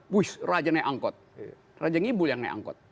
bush raja naik angkot raja ngibul yang naik angkot